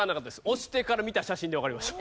押してから見た写真でわかりました。